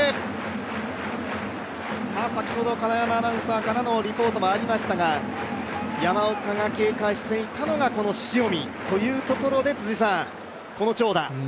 先ほど金山アナウンサーからのリポートもありましたが、山岡が警戒していたのが塩見というところで、この長打。